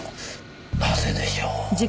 なぜでしょう？